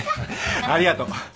ありがとう。あっ。